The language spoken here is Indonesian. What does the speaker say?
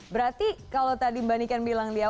berarti kalau tadi mbak niken bilang dia